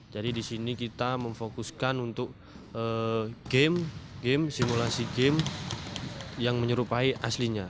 jadi di sini kita memfokuskan untuk game simulasi game yang menyerupai aslinya